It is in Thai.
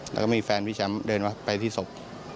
แล้วก็มีแฟนพี่แชมป์เดินมาไปที่ศพ